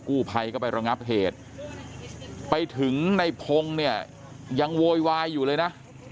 กู้ภัยก็ไประงับเหตุไปถึงในพงศ์เนี่ยยังโวยวายอยู่เลยนะ